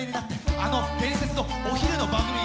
「あの伝説のお昼の番組に」